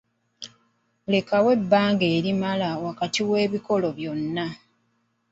Lekawo ebbanga erimala wakati w'ebikolo byonna.